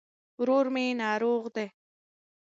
ورور مي ناروغ دي